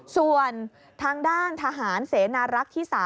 ส่วนทางด้านทหารเสนารักษ์ที่๓